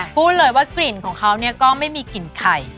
พูดเลยว่ากลิ่นของเขาก็ไม่มีกลิ่นไข่